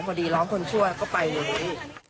พอดีร้องคนชั่วก็ไปเลย